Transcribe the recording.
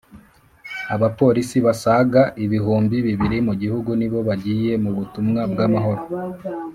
abapolisi basaga ibihumbi bibiri mu gihugu nibo bagiye mu butumwa bw’amahoro